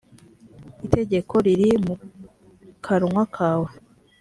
itegeko riri mu kanwa kawe